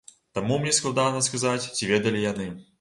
Таму мне складана сказаць, ці ведалі яны.